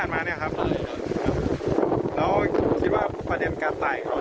เมื่องวันศูกร์ครับ